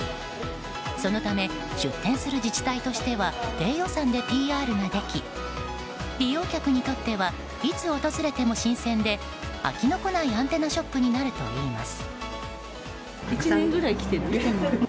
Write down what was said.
そのため出店する自治体としては低予算でＰＲができ利用客にとってはいつ訪れても新鮮で飽きのこないアンテナショップになるといいます。